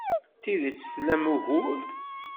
D tidet tlam ugur.